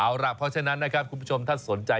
เอาล่ะเพราะฉะนั้นนะครับคุณผู้ชมถ้าสนใจ